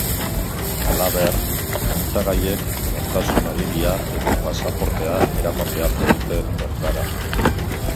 Halaber, hautagaiek nortasun agiria edo pasaportea eraman beharko dute bertara.